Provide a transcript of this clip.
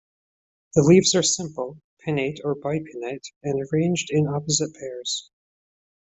The leaves are simple, pinnate, or bipinnate, and arranged in opposite pairs.